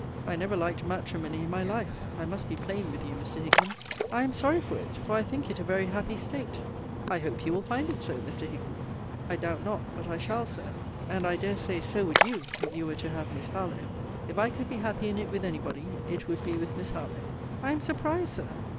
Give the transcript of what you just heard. I never liked matrimony in my life. I must be plain with you, Mr. Hickman. I am sorry for it: I think it a very happy state. I hope you will find it so, Mr. Hickman. I doubt not but I shall, Sir. And I dare say, so would you, if you were to have Miss Harlowe. If I could be happy in it with any body, it would be with Miss Harlowe. I am surprised, Sir!